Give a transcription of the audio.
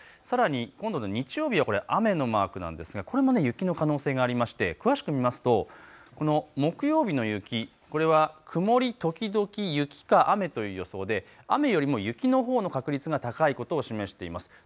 さらに今度の日曜日は雨のマークなんですがこれも雪の可能性がありまして、詳しく見ますと木曜日の雪、曇り時々雨か雨という予想で雨よりも雪のほうの確率が高いことを示しています。